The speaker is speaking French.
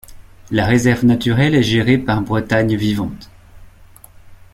La réserve naturelle est gérée par Bretagne Vivante.